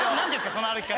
その歩き方。